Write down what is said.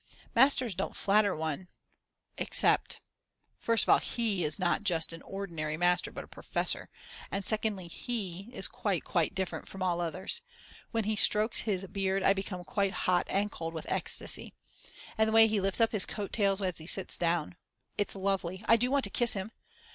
Masters don't flatter one; except ...; first of all He is not just an ordinary master but a professor, and secondly He is quite, quite different from all others When he strokes his beard I become quite hot and cold with extasy. And the way he lifts up his coat tails as he sits down. It's lovely, I do want to kiss him.